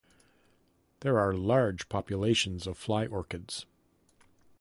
There are large populations of fly orchids.